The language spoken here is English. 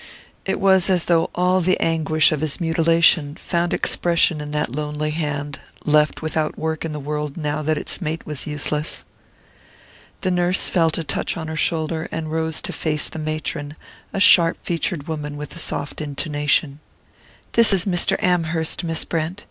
It was as though all the anguish of his mutilation found expression in that lonely hand, left without work in the world now that its mate was useless. The nurse felt a touch on her shoulder, and rose to face the matron, a sharp featured woman with a soft intonation. "This is Mr. Amherst, Miss Brent.